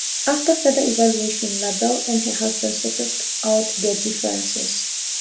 After further evaluation, LaBelle and her husband sorted out their differences.